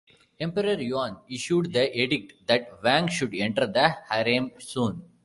Emperor Yuan issued the edict that Wang should enter the harem soon.